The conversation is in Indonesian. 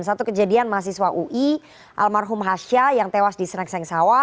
satu kejadian mahasiswa ui almarhum hasya yang tewas di serengseng sawah